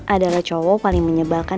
adalah cowok paling menyebalkan